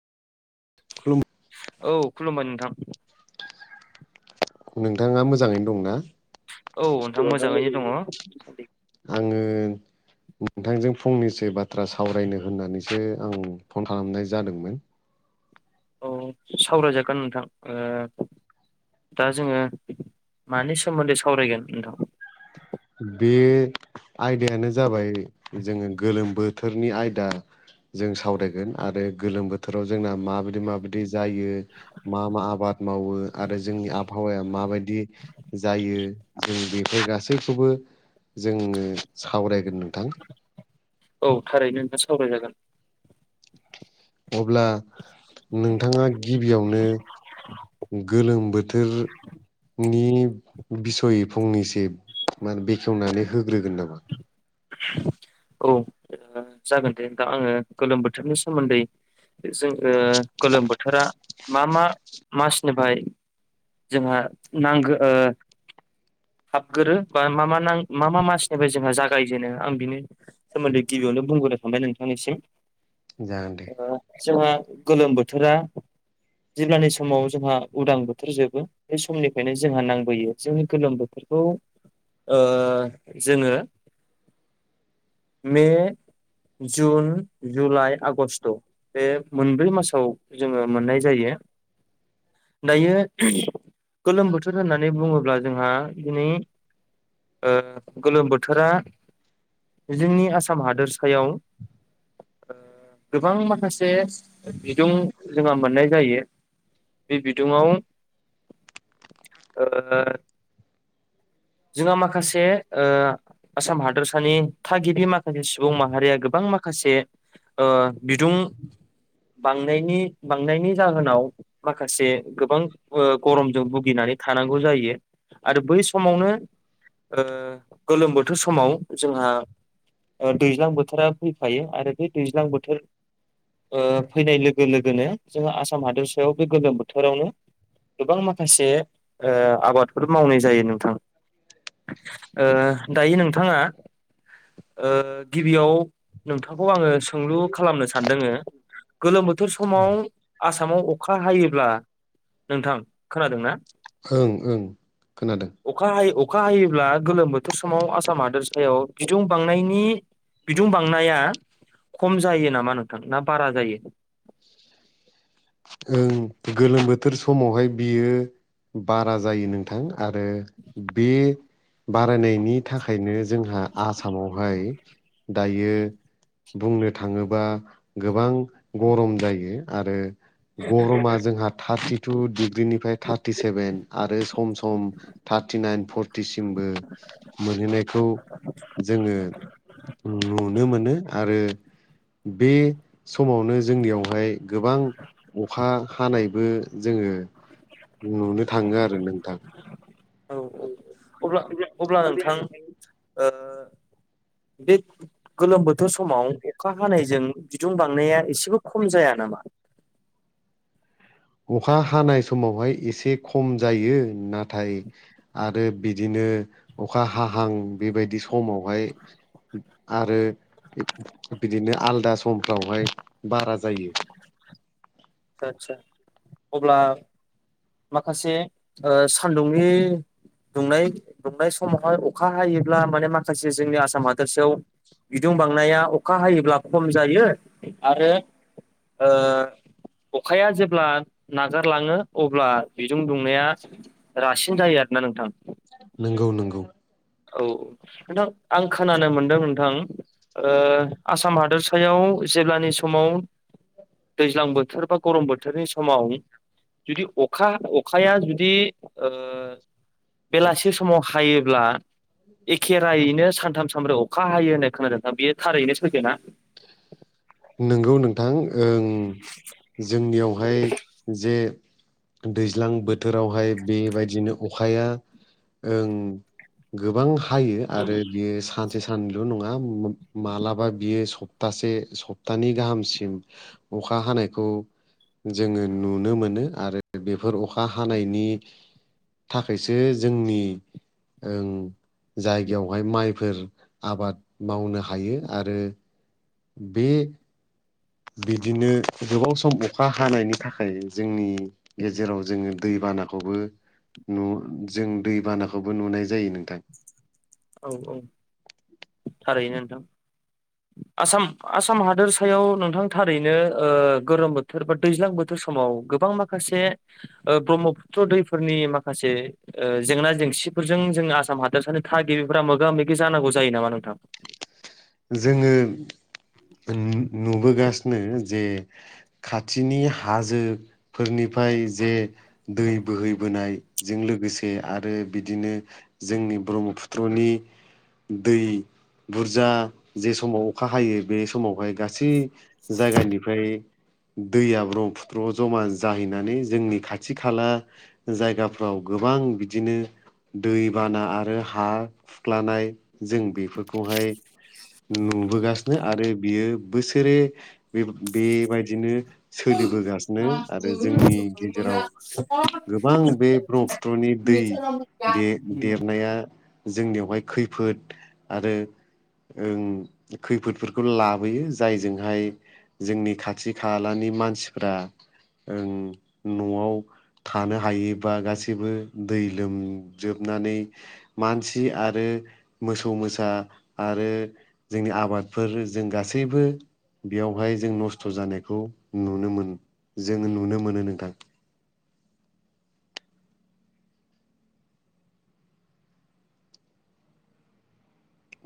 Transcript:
खुलुमबाय औ खुलुमबाय नोंथां। नोंथाङा मोजाङैनो दंना? औ नोंथां मोजाङैनो दङ। आङो नोंथांजों फंनैसो बाथ्रा सावरायनो होननानैसो आं फन खालामनाय जादोंमोन। औ सावरायजागोन नोंथां ओ-। दा जोङो मानि सोमोन्दै सावरायगोन नोंथां? बे आयदायानो जाबाय जोङो गोलोम बोथोरनि आयदा। जों सावरायगोन आरो गोलोम बोथोराव जोंना माबायदि माबायदि जायो? मा मा आबाद मावो आरो जोंनि आबहावाया माबायदि? जायो जों बेफोर गासैखौबो जोङो सावरायगोन नोंथां औ थारैनो नोंथां सावरायजागोन। अब्ला नोंथाङा गिबियावनो। गोलोम बोथोर नि बिसय फंनैसो मा- बेखेवनानै होग्रोगोन नामा? औ जागोन दे दा आङो गोलोम बोथोरनि सोमोन्दै जों ओ-गोलोम बोथोरा मा मा मासनिफ्राय जोंहा नांगो ओ- हाबगोरो बा मा मा नां मा मा मासनिफ्राय जोंहा जागायजेनो आं बिनि- सोमोन्दै गिबियावनो बुंग्रोनाय थाबाय नोंथांनिसिम। जागोन दे। ओ जोंहा गोलोम बोथोरा जेब्लानि समाव जोंहा उदां बोथोर जोबो बे समनिफ्रायनो जोंहा नांबोयो जोंनि गोलोम बो बेखौ ओ जोङो मे, जुन, जुलाइ, आगष्ट' बे मोनब्रै मासाव जोङो मोननाय जायो। दायो गोलोम बोथोर होननानै बुङोब्ला जोंहा दिनै ओ-गोलोम बोथोरा। जोंनि आसाम हादोरसायाव ओ-गोबां माखासे बिदुं जोंहा मोननाय जायो। बे बिदुंआव [unintelligible] जोंहा माखासे ओ आसाम हादोरसानि थागिबि माखासे सुबुं माहारिया गोबां माखासे ओ बिदुं बांनायनि बांनायनि जाहोनाव माखासे गोबां ओ गरमजों भुगिनानै थानांगौ जायो आरो बै समावनो ओ गोलोम बोथोर समाव जोंहा ओ दैज्लां बोथोरा फैफायो आरो बे दैज्लां बोथोर ओ फैनाय लोगो लोगोनो जोङो आसाम हादोरसायाव बे गोलोम बोथोरावनो गोबां माखासे ओ आबादफोर मावनाय जायो नोंथां ओ दायो नोंथाङा ओ गिबियाव नोंथांखौ आङो सोंलु खालामनो सानदोङो गोलोम बोथोर समाव आसामाव अखा हायोब्ला, नोंथां खोनादोंना? ओं ओं खोनादों अखा हायो अखा हायोब्ला गोलोम बोथोर समाव आसाम हादोरसायाव बिदुं बांनायनि बिदुं बांनाया खम जायो नामा नोंथां ना बारा जायो। उम गोलोम बोथोर समावहाय बियो बारा जायो नों थां आरो बे बारायनायनि थाखायनो जोंहा आसामावहाय दायो बुंनो थाङोबा गोबां गरम जायो आरो गरमा जोंहा थार्टि टु डिग्रीनिफ्राय थारटि सेभेन आरो सम सम थार्टि नााइन फर टिसिमबो मोनहैनायखौ जोङो नुनो मोनो आरो बे समावनो जोंनियावहाय गोबां अखा हानायबो जोङो नुनो थाङो आरो नोंथां। औ औ अब्ला अब्ला नोंथां ओ बे गोलोम बोथोर समाव अखा हानायजों बिदुं बांनाया इसेबो खम जाया नामा? अखा हानाय समावहाय इसे खम जायो नाथाय आरो बिदिनो अखा हाहां बेबायदि समावहाय आरो बिदिनो आलदा समफ्रावहाय बारा जायो। [inaudible] आदसा अब्ला माखासे ओ सान्दुंनि दुंनाय दुंनाय समावहाय अखा हायोब्ला माने माखासे जोंनि आसाम हादोरसायाव बिदुं बांनाया अखा हायोब्ला खम जायो आरो ओ अखाया जेब्ला नागारलाङो अब्ला बिजों दुंनाया रासिन जायो आरोना नोंथां। नोंगौ नोंगौ। औ नोंथां आं खोनानो मोनदों नोंथां ओ आसाम हादोरसायाव जेब्लानि समाव दैज्लां बोथोर बा गरम बोथोरनि समाव जुदि अखा अखाया जुदि ओ बेलासि समाव हायोब्ला एखेरायैनो सानथाम सानब्रै अखा हायो होननाय खोनादों बेयो थारैनो सैथोना? नोंगौ नोंथां ओं जोंनियावहाय जे दैज्लां बोथोरावहाय बेबायदिनो अखाया ओं गोबां हायो आरो बियो सान से सानलु नङा मोब मालाबा बियो सप्तासे सप तानि गाहामसिम अखा हानायखौ जोङो नुनो मोनो आरो बेफोर अखा हानायनि थाखायसो जोंनि ओं जायगायावहाय माइफोर आबाद मावनो हायो आरो। बे बिदिनो गोबाव सम अखा हानायनि थाखाय जोंनि गेजेराव जोङो दैबानाखौबो न' जों दैबानाखौबो नुनाय जायो नोंथां। औ औ थारैनो नोंथां। ज [inaudible] आसाम आसाम हादोर सायाव नोंथां थारैनो ओ गोरोम बोथोर बा दैज्लां बोथोर समाव गोबां माख खासे ओ ब्रह्मपुत्र दैफोरनि माखासे जेंना जेंसिफोरजों जोङो आसाम हादोरसानो थागिबिफ्रा मोगा मोगि जानांगौ जायो नामा नोंथां? जोङो नुबोगासिनो जे खाथिनि हाजोफोरनिफ्राय जे दै बोहैबोनायजों लोगोसे आरो बिदिनो जोंनि ब्रह्मपुत्रनि दै बुरजा जे समाव अखा हायो बे समावहाय गासै जायगानिफ्राय दैया ब्रह्मपुत्र जमा जाहैनानै जोंनि खाथि खाला जायगाफ्राव गोबां बिदिनो दैबाना आरो हा खुख्लानाय जों बेफोरखौहाय नुबोगासिनो आरो बियो बोसोरे बे-बेबायदिनो सोलिबोगासिनो आरो जोंनि गेजेराव गोबां बे ब्रहपुत्रनि दै दे-देरनाया जोंनियावहाय खैफोद आरो ओं खैफोदफोरखौ लाबोयो जायजोंहाय जोंनि खाथि खालानि मानसिफ्रा ओं न'आव थानो हायोबा गासैबो दै लोमजोबनानै मानसि आरो मोसौ मोसा आरो जोंनि आबादफोर जों गासैबो बेयावहाय जों नस्थ' जानायखौ नुनो मोन जों नुनो मोनो नोंथां।